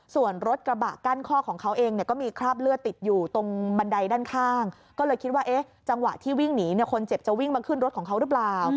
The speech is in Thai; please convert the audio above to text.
ส่วนรถกระบะกั้นข้อของเขาเองเนี่ยก็มีคราบเลือดติดอยู่ตรงบันไดด้านข้างก็เลยคิดว่าจังหวะที่วิ่งหนีคนเจ็บจะวิ่งมาขึ้นรถของเขาหรือเปล่า